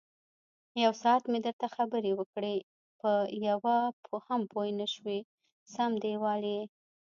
یوساعت مې درته خبرې وکړې، په یوه هم پوی نشوې سم دېوال یې.